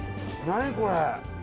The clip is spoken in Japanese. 何これ？